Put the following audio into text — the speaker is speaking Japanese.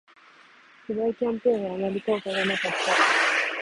不買キャンペーンはあまり効果がなかった